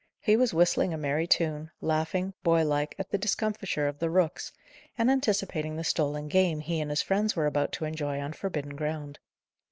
He was whistling a merry tune, laughing, boy like, at the discomfiture of the rooks, and anticipating the stolen game he and his friends were about to enjoy on forbidden ground.